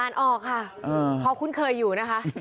อ่านออกค่ะพอคุ้นเคยอยู่นะคะ